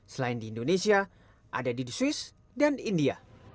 selain di indonesia ada di swiss dan india